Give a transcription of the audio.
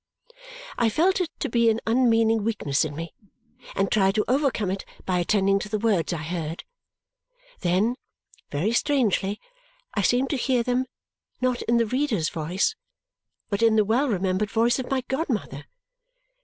I felt it to be an unmeaning weakness in me and tried to overcome it by attending to the words I heard. Then, very strangely, I seemed to hear them, not in the reader's voice, but in the well remembered voice of my godmother.